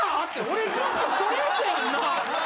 俺ずっとストレートやんなぁ！